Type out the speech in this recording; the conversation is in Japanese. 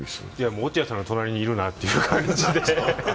落合さんの隣にいるなという感じで。